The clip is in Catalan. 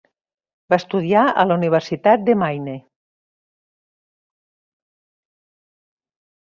Va estudiar a la Universitat de Maine.